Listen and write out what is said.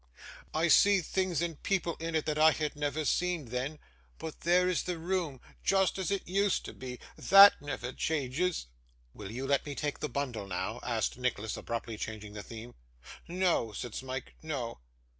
I see things and people in it that I had never seen then, but there is the room just as it used to be; THAT never changes.' 'Will you let me take the bundle now?' asked Nicholas, abruptly changing the theme. 'No,' said Smike, 'no.